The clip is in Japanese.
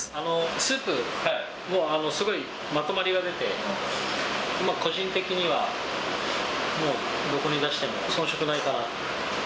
スープも、すごいまとまりが出て、個人的にはもう、どこに出しても遜色ないかなと。